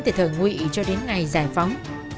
từ thời nguyện cho đến ngày giải phóng